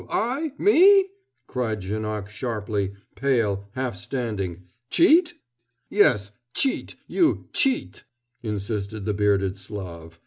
I me?" cried Janoc sharply, pale, half standing "cheat?" "Yes tcheeet, you tcheeet!" insisted the bearded Slav.